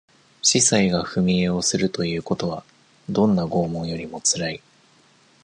司祭が踏み絵をするということは、どんな拷問よりも辛い。